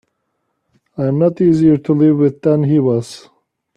I'm not easier to live with than he was.